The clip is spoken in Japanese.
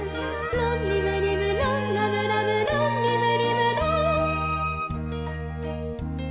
「ロンリムリムロンラムラムロンリムリムロン」